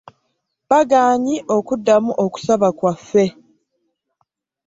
Bagaanyi okuddamu okusaba kwaffe.